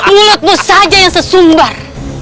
mulutmu saja yang sesumbar